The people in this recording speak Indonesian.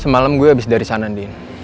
semalam gue abis dari sana din